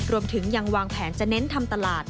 รวมถึงยังวางแผนจะเน้นทำตลาด